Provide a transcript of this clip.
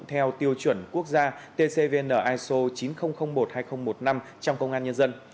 theo tiêu chuẩn quốc gia tcvniso chín nghìn một hai nghìn một mươi năm trong công an nhân dân